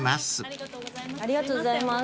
ありがとうございます。